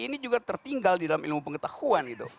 ini juga tertinggal di dalam ilmu pengetahuan gitu